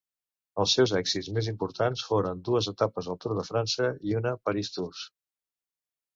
Els seus èxits més importants foren dues etapes al Tour de França i una París-Tours.